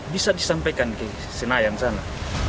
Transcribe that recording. bisa disampaikan ke senayan sana